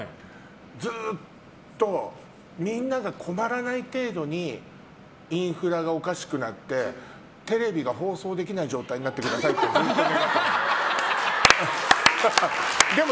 ずっと、みんなが困らない程度にインフラがおかしくなってテレビが放送できない状態になってくださいってずっと願ってたもん。